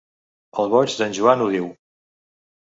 El boig d'en Joan ho diu.